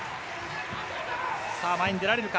前に出られるか。